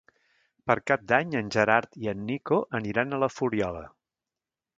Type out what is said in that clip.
Per Cap d'Any en Gerard i en Nico aniran a la Fuliola.